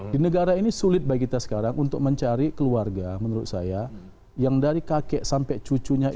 di negara ini sulit bagi kita sekarang untuk mencari keluarga menurut saya yang dari kakek sampai cucunya itu